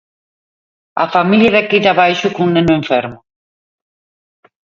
A familia de aquí de abaixo cun neno enfermo.